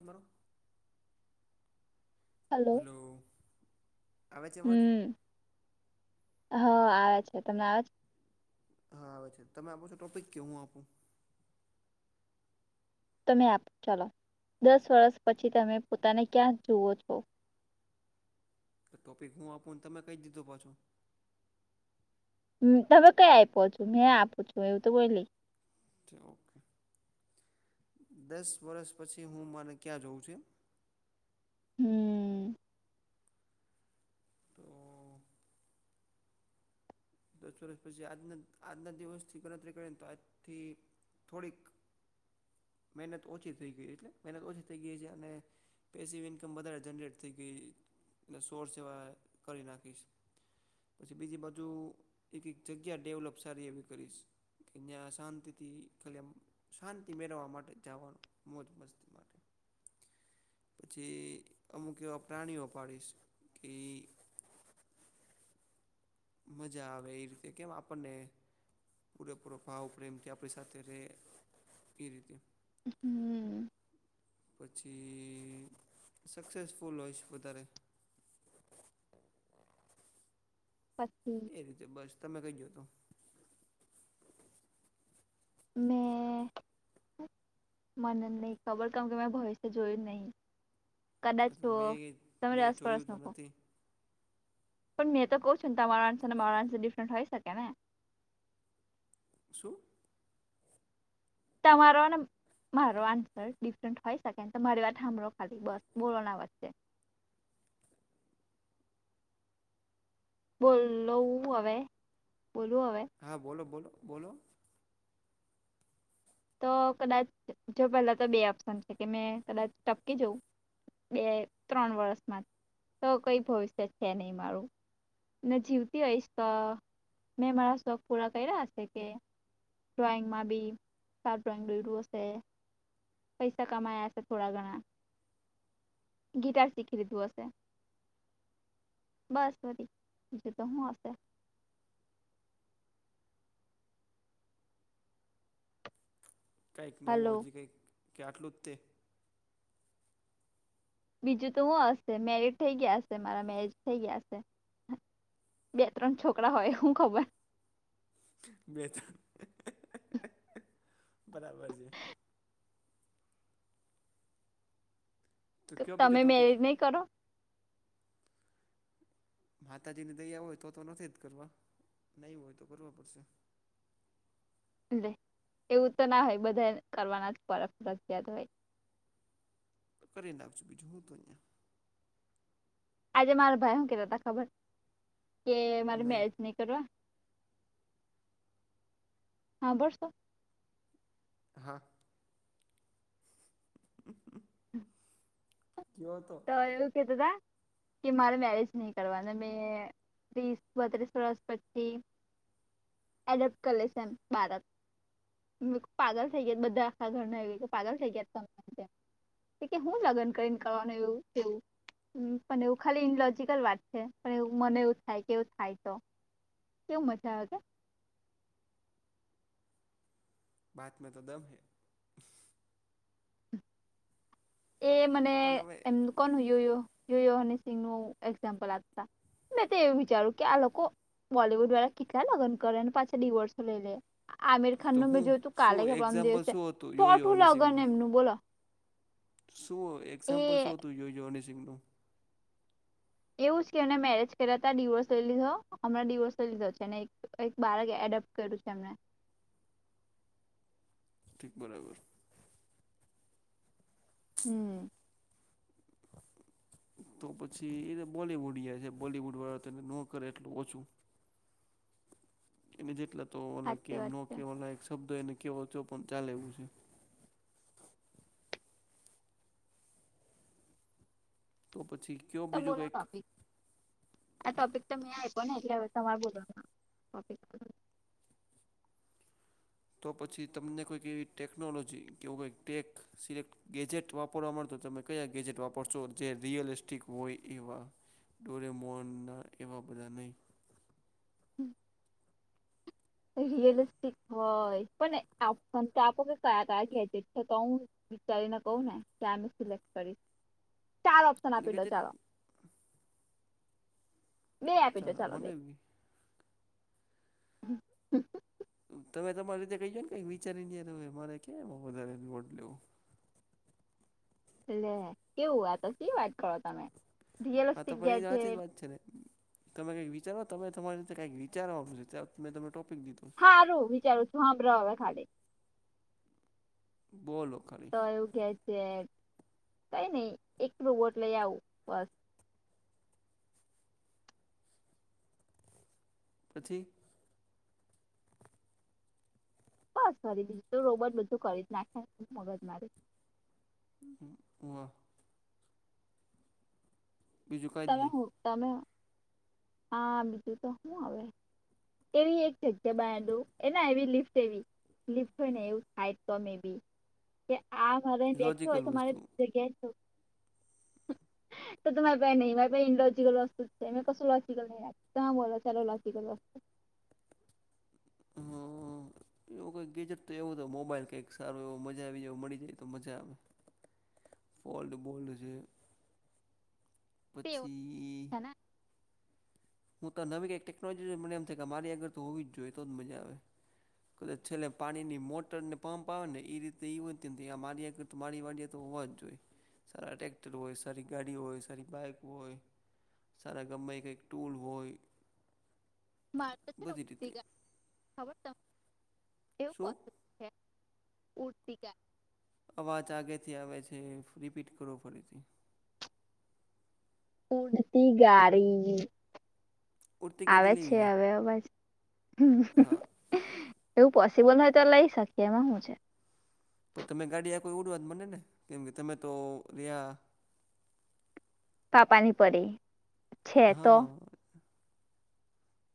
બરો હલો, આવે છે અવાજ હમ્મ. હ આવે છે. તમે આવેજ છે? હા, આવે છે. તમે આપો છો ટોપિક, કે હું આપું? તમે આપ ચાલો, દસ વર્ષ પછી તમે પોતાને ક્યાં જુવો છો? તો ટોપિક હું આપુને તમે કંઈ દીધું પાછુ. તમે કઈ આપ્યો છો મેં આપું છું એવું તો બોલી. ઓકે ઓકે દસ વર્ષ પછી હું મને ક્યાં જઉં છે. હું. તો દસ વર્ષ પછી આજના આજના દિવસથી ગણતરી કરે ને તો આજથી થોડીક મહેનત ઓછી થઈ ગઈ એટલે મહેનત ઓછી થઈ ગઈ છે અને પેસીવ ઇન્કમ વધારે જનરેટ થઈ ગઈ ને સોર્સ એવા કરી નાખીશ. પછી બીજી બાજુ એક એક જગ્યા ડેવલપ સારી એવી કરીશ. અન્યા શાંતિથી ખલી આમ શાંતિ મેળવામ માટે જવાનું મોજ મસ્તી માટે. પછી અમુક એવા પ્રાણીઓ પાડીશ કિ મજા આવે એ રીતે કેમ આપણને. પૂરેપૂરો ભાવ પ્રેમ કે આપણી સાથે રહે એ રીતે. હમ. [unintelligible] પછી સક્સેસફુલ હોય છે વધારે. પછી. એ રીતે બસ તમે કઈ ગયો તો. મેં. મને નહી ખબર કેમ કે મેં ભવિષ્ય જોયું જ નહી. કદાચ તો જુઓ મેં તને મેં અસપળસ જોયું તો મકો [unintelligible] નથી પણ મેં તો કઉ છુ ને તમારા આન્સર મારા આન્સર ડિફરન્ટ હોય શકે ને! શું? તમારો ને મારો આન્સર ડિફરન્ટ હોય શકે ને, તો મારી વાત હાભળો ખાલી બસ બોલો ના વચ્ચે. બોલો હવે બોલુ હવે? હા બોલો બોલો બોલો. તો કદાચ જો પહેલા તો બે ઓપ્શન છે કે મેં કદાચ ટપકી જવું. બે ત્રણ વર્ષમાં તો કઈ ભવિષ્ય છે નહી મારું. ને જીવતી હોયશ તો મેં મારા શોખ પૂરા કર્યા છે કે. ડ્રોઈંગ માં બી. સ ડ્રોઈંગ લડ્યું હશે પૈસા કમાયા હશે થોડા ઘણા. ગીટાર શીખી લીધું હશે. બસધ જ તો હું આશે. [inaudible] કંઈક હલો નવું હજી કંઈક કે આટલું જ તે. બીજું તો હું હશે મેરજ થઇ ગયા હશે મારા મેરજ થઇ ગયા સે. બે ત્રણ છોકરા હોય હું ખબર. બે ત્રળ બરાબર છે. તો કયો બીજો તમે ટોપિક મેરેજ નહી કરો. માતાજીની દયા હોય તો તો નથી જ કરવા નહી હોય તો કરવા પડશે. એ એવું તો ના હોય બધા કરવાના જ પર ફજિયાત હોય. કન ડબક છ બધજું તનયા. આજે મારા ભાઈ હું કેતા ત ખબર કે મારી નહીં મેરેજ નહી. કરવા હાભળશો. હા કેયો તો. તો એવું કેતા તા. કે મારે મેરેજ નહી કરવાના મેં ત્રીસ બત્રીસ વર્ષ પછી. એડપ્ટ કરી લેશે એમ બાળક. પાગલ થઈ ગયા બધા આખા ઘરના પાગલ થઈ ગયા ત. કે કે હું લગ્ન કરીને કરવાનું એવુંવું. પણ એવું ખાલી ઇનલોજકલ વાત છે પણ એવ મને એવું થાય કે એવું થાય તો. કેવું મજા આવે કે. બાદમાં તો દમ હૈ. એ મને પણ હવે એમ કોણ યુ યુહ સિહ નું એક્ઝામ્પલ આપતા? મેં તો એવું વિચાર્યું કે આ લોકો બોલીવુડ વાળા કેટલા લગ્ન કરે અને પાછા ડિવોર્સ લઈ લે. આમિર ખાન તો ન મેં હું જોયું તું કાલે શું કે પરભ એક્ઝામ્પલ દિવસે શું હતું યોયો ચોથુ લગ્ન હનીસિંગનું ને એમનું બોલો. શું એક્ઝામ્પલ એ શું હતું યુ યો યોની સિંગનું. એવું જ કે એને મેરેજ કર્યા હતા ડિવોર્સ લઈ લીધો હમણાં ડિવોર્સ લઈ લીધો છે અને એક બાળક એડપ્ટ. કર્યું છે એમને. ઠીક બરાબર. હમ. તો પછી એને બોલીવૂડ જાય છે, બોલીવૂડ વાળા તેને ન કરે એટલું ઓછું. એને જેટલા તો ઓ સાચી કેમ વાત ન છે કે ઓ, એક શબ્દ એને કેવો છો પણ ચાલે એવું છે. તો પછી. કયો તો બીજું બોલા કંઈક કાપી. આ ટોપિક તો મેં આપ્યો ને, એટલે હવે તમારે બોલવાનું ટોપિક. તો પછી તમને કોઈક એવી ટેકનોલોજી કેવું, કોઈ ટેક સિલેક્ટ. ગેજેટ વાપરવા માં તો તમે કયા ગેજેટ વાપરશો, જે રિયલિસ્ટિક હોય એવા? ડોરેમોનના એવા બધા નહીં. હમ. રિયલિસ્ટિક હોય પણ તો આપો કે કયા કયા ગેજેટ છે, તો હું. વિચારીને કહું ને, કયા અ સિલેક્ટ કરીશ? ચાર ઓપ્શન એટલે આપી લો, ગેજેટ ચાલો. બે આપી તો ચાલો, બે. મને બી હ હ. તમે તમારી રીતે ક ને કંઈક વિચારીને હવે મારે કેમ વધારે લેવું? લે, કેવું આ તો કે વાત કરો તમે. હા, તો રિયલિસ્ટિક પણ એ સાચી જ ગેજેટ વાત છે ને. તમે કંઈક વિચારો તમે તમારી રીતે કઈક વિચારવાનું છે, મેં તને ટોપિક દીધું. સારું, વિચારું છું. સાંભળ હવે ખાલી. બોલો ખરે. કે છે, કઈ નહીં, એકલું વોટ લઈ આવીશું. નથી. કરી, બીજું રોબોટ બધું કરી નાખે, મગજ મારી. વાહ. બીજું કાંઈ જ તમે, નહીં તમે હા, બીજું તો શું હ. એવી એક જગ્યા બડુ, એના એવી લિફ્ટ એવી. ફ ને એવું સા, તો મે બી કે આ મારે બેઠ હોય લોજિકલ તો મારે વસ્તુ જગ્યા. તો તમે. કઈ નહિં, નલોજિકલ વસ્તુ છે. કશું લોજિકલ નહીં બોલો, ચાલો લોજિકલ વસ્તુ. [unintelligible] એવું કઈક ગેજેટ તો, એવું તો મોબાઈલ કંઈક સારું એવ મજા આવી જ મળી જાય તો મજા આવે. ફોટ બોલડ છે. વસ્તુ એવું પછી. છે ને હું તો નવી કંઈક ટેકનોલોજી, મને એમ થાય કે મારી અગર તો હોવી જ જોઈએ, તો જ મજા આવે. કદાચ છેલ્લે પાણીની મોટર ને પંપ આવે ને, એ રીતે એ મારી. તો માંડી વામાંડીએે તો હોવા જ જોઈએ, સારા ટ્રેક્ટર હોય, સારી ગાડી હોય, સારી બાઈક હોય. સારા ગામમાં એ કંઈ ટૂલ હોય. માર તો છે બધી રીતે ને, ખબર તો શું એવું. હ ઉડતીકા. [unintelligible] અવાજ આગેથી આવે છે. રિપીટ કરો ફરીથી. ઉડતી ગાળી. ઉડતી આવે ગાડી છે લેવી આવે બસ. હા એવું પોસિબલ હોય તો લઈ શકીએ એમાં શું છે. પણ તમે ગાડી આ કોઈ ઉડવા મને ને કેમ કે તમે તો ર્યા. પાપા ની પરી. છે તો હા,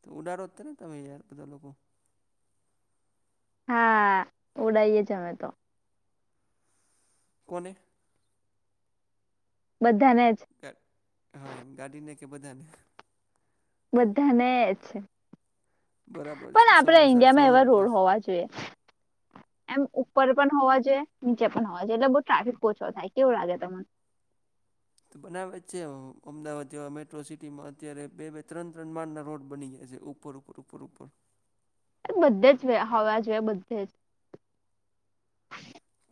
તો ઉડારો જ ને તમે, યાર, બધા લોકો. હા, ઉડાઈએે અમે તો. કોને. બધાને જ. ગા હા એમ ગાડીને કે બધાને. બધાને છે. બરાબર પણ છે આપડે સૌનો સાથ ઈન્ડિયામાં સૌનો એવા રોડ વિકાસ હોવા જોઈએ. એમ ઉપર પણ હોવા જોઈએ નીચે પણ હોવા જોઈએ એટલે બહુ ટ્રાફિક ઓછો થાય કેવું લાગે તમને? તો બનાવે છે અમદાવાદ જેવા મેટ્રો સિટીમાં અત્યારે બે બે ત્રણ ત્રણ માળના રોડ બની ગયા છે ઉપર. અરપર ઉપર. બધે જ હવા જોઈએ બધે જ.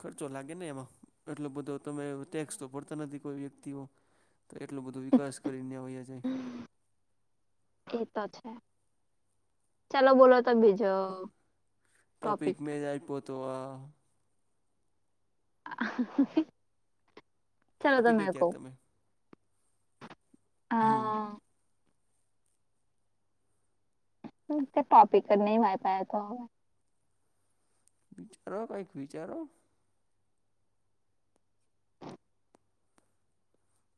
ખર્ચો લાગે ને એમાં એટલો બધો તમે ટેક્સ તો ભરતા નથી કોઈ વ્યક્તિઓ. તો એટલોું બધું વિકાસ કરીને આવએ જએ. એતો છે. ચાલો બોલો ત ભેજો. ટોપિક મેદ અઈ પોતોવા. [unintelligible] ચાલો આપીજો કહો ત્યારે તમે? અ હમ. તે ટોપીકર ન વાયપ તો. વિચારો કંઈક વિચારો.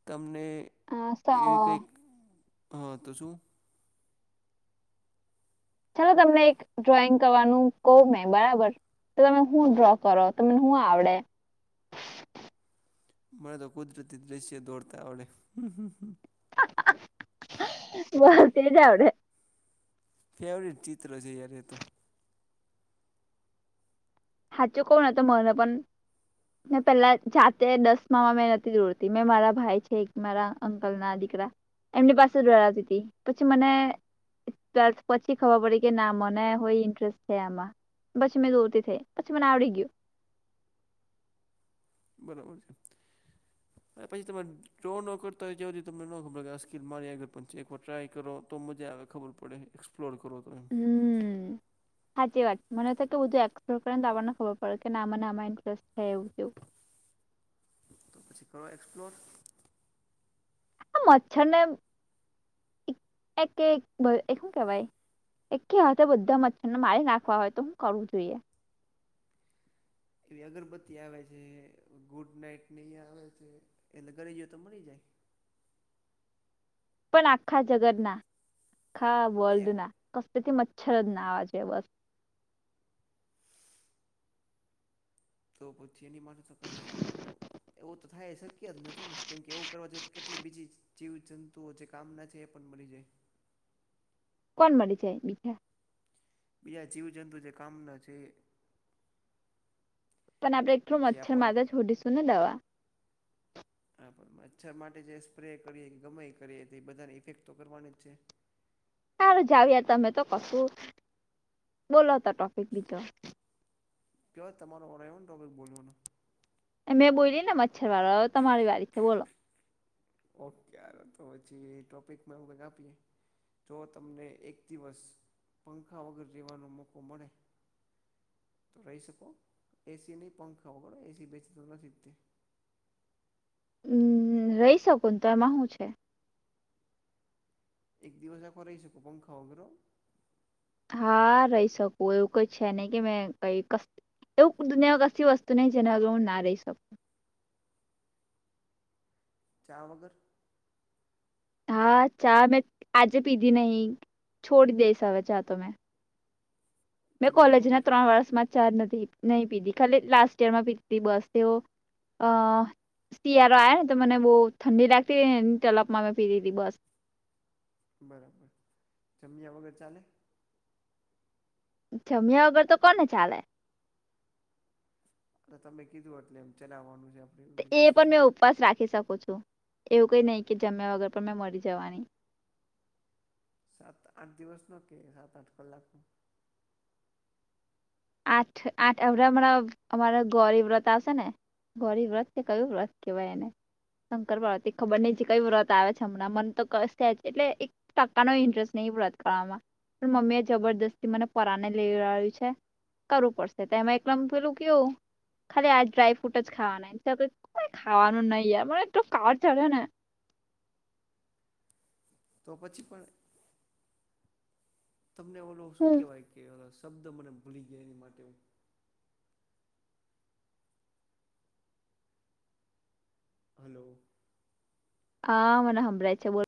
તમને અ સો એવી કંઈક હા તો શું? ચાલો તમને એક ડ્રોઈંગ કરવાનું કહવ મેં બરાબર. તો તમે હું ડ્રો કરો તમને શું આવડે? મળને તો કુદરતી દ્રશ્ય દોડતા ઓડે હમ. બસ તે જવડે. ફેવરટ ચિત્ર છે યાર તો. હાચ કોવણ તો મણ પણ પેલા જાતે દસમામાં મેં નથી દોડતી મેં મારા ભાઈ છે મારા અંકલ ના દીકરા. એમની પાસે દોરાતી હતી, પછી મને ટ્વેલ્થ પછી ખબર પડી કે ના મને હોય ઇન્ટરેસ્ટ છે આમાં, પછી મેં દોરતી થઈ. પછી મને આવડી ગયું. બરાબર છે, હરે પછી તમારે જો ન કરતા હોય જે તમને ન ખબર કે આ સ્કીલ મારી આગળ પણ છે એક વાર ટ્રાય કરો તો મજા આવે ખબર પડે. એસ્લોર કરો. એમ હમ. સાાચી વાત મને બું એક્સપ્લોર કરને તો આપણને ખબર પડે કે ના મને આમાં ઇન્ટરેસ્ટ થાય એવું કેવું. તો પછી કરો એક્સપ્લોર. મચ્છર ને એક શું કેવાય. એક હ બધા મચ્છર ને મારી નાખવા હોય તો હું કરવું જોઈએ. એવી અગરબત્તી આવે છે ગુડ નાઈટ ની આવે છે એલે ઘણી જોઓ તો મળી જાય. પણ આખા જગતના આખા વર્લ્ડ એક ના, કથી મચ્છર જ ના આવા છે બસ. તો પછી એની મારે તો કંઈક. એવું તો થાય શક્ય જ નથી ને કેમ કે એવું કરવા જોઈએ તો કેટલી બીજી જીવ જંતુઓ જે કામના છે એ પણ મળી જાય. કોણ મળરી છે મીઠા. બીજા જીવજંતુ જે કામના જે. પણ આપડે એકટલું જે મચ્છર આપણને માદ જ છોડીશું ને દવા. હા પણ મચ્છર માટે જે સ્પ્રે કરીએ કે ગમાઈ કરીએ તો એ બધાને ઇફેક્ટ તો કરવાની જ છે. સારું જાવ્યા તમે તો કશું, બોલો તો ટોપિક બીજો. કય તમારો એને ટોપિક બોલવાનો. મેં બોલી ને મચ્છર વાળા તમારી વારી છે બોલો. ઓકેાર તો પછી ટોપિકમાં હું બગા આપીએ. જો તમને એક દિવસ પંખા વગર જીવવાનો મોકો મળે. રહી શકો એસી નહી પંખા વગર એ સી બેસી તો નથી જ ત્યા હમ્મ રહી શકું તો એમાં શું છે. એક દિવસ આખો રહી શકું હા પખા વગર હો. હા રહી શકું એવું કઈ છે નહી કે મેં કઈ ક. એવું દુનિયામાં કશી વસ્તુ નહી જેના વગર હું ના રહી શકું. ચા વગર. હા ચા મેં આજે પીધી નહીં છોડી દઈશ હવે ચા તો મેં. મેં જમ્યા કોલેજના વગર ત્રણ વર્ષમાં ચાર્જ નહી પીધી ખાલી લાસ્ટ યર માં પીધી બસ તેઓ અ શિયાળો આયો ને તો મને બહુ ઠંડી લાગતી એ તળપમાં મેં પીધી તી બસ. બરાબર જમ્યા વગર ચાલે. જમ્યા વગર તો કોને ચાલે. તમે કીધું એટલે એમ ચલાવાનું એમ. એ પણ મેં ઉપવાસ રાખી શકું છું એવું કઈ નહીં કે જમ્યા વગર પણ મેં મરી જવાની. સાત આઠ દિવસ નો કે સાત આઠ કલાક નો. આઠ આઠ હમણા અમારા ગૌરી વ્રત આવશે ને. ગરીબ વ્રથ કે કયુ વ્રત કેવાય એને. શંકર પાર્વતી ખબર નહિ કયું વ્રત આવે છે હમણાં મન તો કશે એટલે ટકાનો ઇન્ટરેસ્ટ નહી વર્ત કરવામાં પણ મમ્મી એ જબરજસ્તી મને પરાને લેયું છે. કરવું પડશે તેમાં એકલામ પેલું કેવું. ખાલી આજ ડ્રાય ફ્રુટ જ ખાવાના કઈ ખાવાનું નય યાર મળે એટલો જ કાળ ચડે ને. તો પછી પણ તમને ઓલો શું હું કેવાય કે લ શબ્દ મને ભૂલી ગયો એની માટે હું હલ્લો. આ મને હંભરાય છે બોલ.